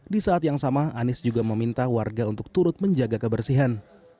di saat yang sama anies juga meminta warga untuk turut menjaga kebersihan